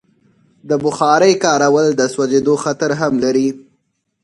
د بخارۍ کارول د سوځېدو خطر هم لري.